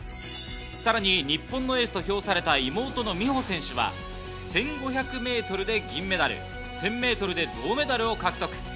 さらに日本のエースと評された妹の美帆選手は１５００ｍで銀メダル、１０００ｍで銅メダルを獲得。